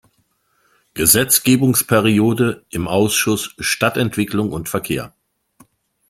Gesetzgebungsperiode im Ausschuss „Stadtentwicklung und Verkehr“.